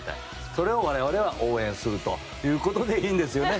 それを我々は応援するということでいいんですよね？